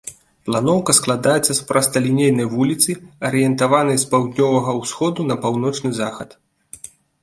Планоўка складаецца з прасталінейнай вуліцы, арыентаванай з паўднёвага ўсходу на паўночны захад.